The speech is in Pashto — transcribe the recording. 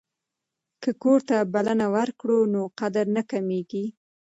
که کور ته بلنه ورکړو نو قدر نه کمیږي.